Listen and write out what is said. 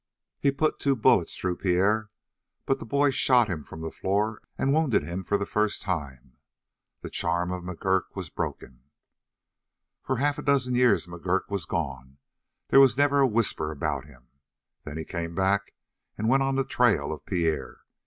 He put two bullets through Pierre, but the boy shot him from the floor and wounded him for the first time. The charm of McGurk was broken. "For half a dozen years McGurk was gone; there was never a whisper about him. Then he came back and went on the trail of Pierre.